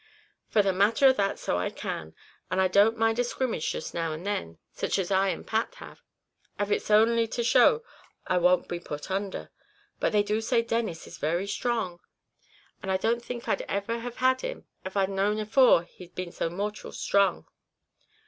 "For the matter of that, so I can; and I don't mind a scrimmage jist now and again sich as I and Pat have av it's only to show I won't be put under; but they do say Denis is very sthrong. I don't think I'd ever have had him, av' I'd known afore he'd been so mortial sthrong."